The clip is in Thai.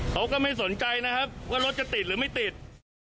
เขาก็ไม่สนใจนะครับว่ารถจะติดหรือไม่ติด